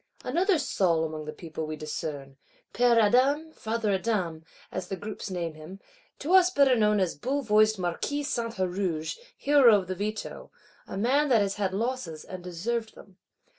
Another Saul among the people we discern: "Père Adam, Father Adam," as the groups name him; to us better known as bull voiced Marquis Saint Huruge; hero of the Veto; a man that has had losses, and deserved them.